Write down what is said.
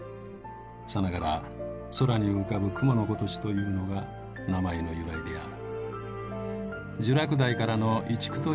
さながら空に浮かぶ雲のごとしというのが名前の由来である。